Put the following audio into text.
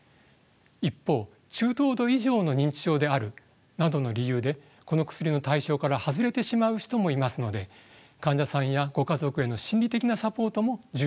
一方中等度以上の認知症であるなどの理由でこの薬の対象から外れてしまう人もいますので患者さんやご家族への心理的なサポートも重要です。